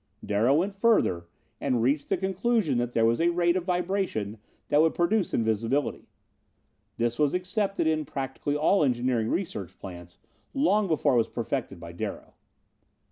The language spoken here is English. "Darrow went further and reached the conclusion that there was a rate of vibration that would produce invisibility. This was accepted in practically all engineering research plants, long before it was perfected by Darrow.